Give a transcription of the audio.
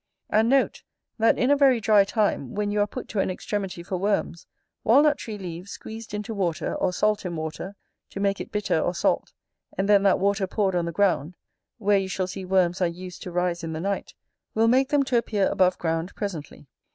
And note, that in a very dry time, when you are put to an extremity for worms, walnut tree leaves squeezed into water, or salt in water, to make it bitter or salt, and then that water poured on the ground where you shall see worms are used to rise in the night, will make them to appear above ground presently.